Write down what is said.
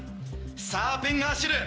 さぁペンが走る！